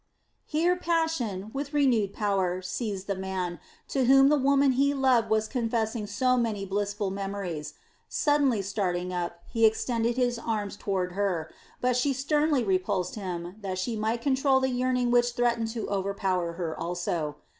Here passion, with renewed power, seized the man, to whom the woman he loved was confessing so many blissful memories. Suddenly starting up, he extended his arms toward her; but she sternly repulsed him, that she might control the yearning which threatened to overpower her also.